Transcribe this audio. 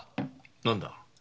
何だ？